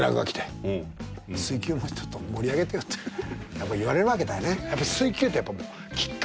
やっぱ言われるわけだよね。